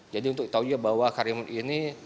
jadi untuk ketahui bahwa karimun ini